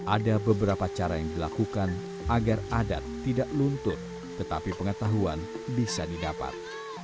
ada beberapa cara yang dilakukan agar adat tidak luntut tetapi pengetahuan bisa didapat